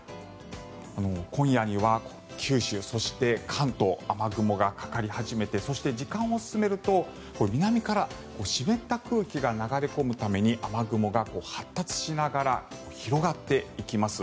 今夜には九州、そして関東雨雲がかかり始めてそして時間を進めると、南から湿った空気が流れ込むために雨雲が発達しながら広がっていきます。